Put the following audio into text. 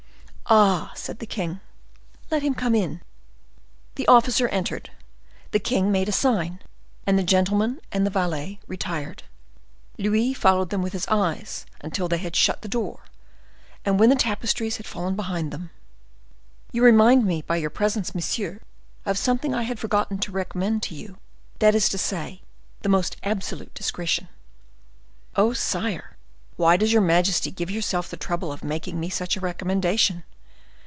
"Ah," said the king, "let him come in." The officer entered. The king made a sign, and the gentleman and the valet retired. Louis followed them with his eyes until they had shut the door, and when the tapestries had fallen behind them,—"You remind me by your presence, monsieur, of something I had forgotten to recommend to you, that is to say, the most absolute discretion." "Oh! sire, why does your majesty give yourself the trouble of making me such a recommendation?